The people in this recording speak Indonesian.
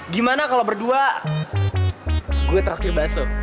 gimana kalo berdua gue terakhir basuh